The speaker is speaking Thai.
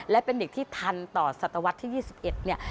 และเป็นเด็กที่ทันต่อศตวรรษที่๒๑เนี่ย